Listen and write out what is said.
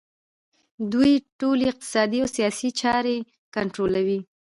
دوی ټولې اقتصادي او سیاسي چارې کنټرولوي